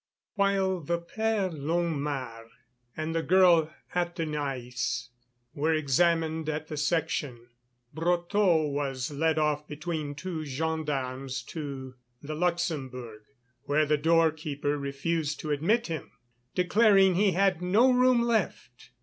XIX While the Père Longuemare and the girl Athenaïs were examined at the Section, Brotteaux was led off between two gendarmes to the Luxembourg, where the door keeper refused to admit him, declaring he had no room left.